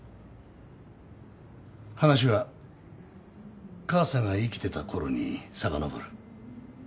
話は母さんが生きてたころにさかのぼる。